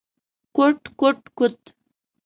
کوټ کوټ کوت…